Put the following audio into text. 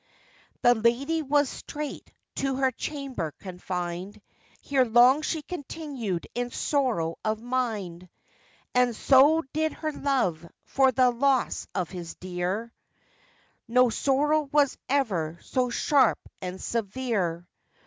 The lady was straight to her chamber confined, Here long she continued in sorrow of mind, And so did her love, for the loss of his dear,— No sorrow was ever so sharp and severe.